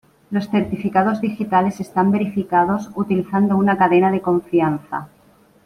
Los certificados digitales están verificados utilizando una cadena de confianza.